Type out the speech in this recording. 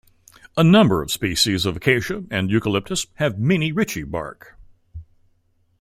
A number of species of "Acacia" and "Eucalyptus" have minni ritchi bark.